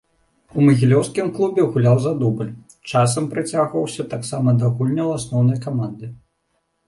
У магілёўскім клубе гуляў за дубль, часам прыцягваўся таксама да гульняў асноўнай каманды.